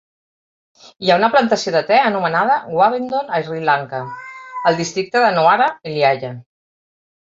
Hi ha una plantació de te anomenada Wavendon a Sri Lanka, al districte de Nuwara Eliya.